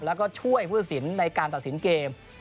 แล้วก็ช่วยผู้ตัดสินในการตัดสินเกม